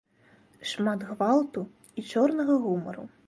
Шмат гвалту і чорнага гумару.